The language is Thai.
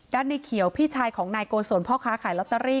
ด้านในเขียวพี่ชายของไทยโกสนพ่อค้าขายต่อลอตเตอรี่